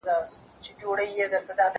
زه کولای سم لاس پرېولم